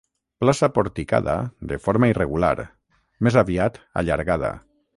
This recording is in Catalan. Plaça porticada de forma irregular, més aviat allargada.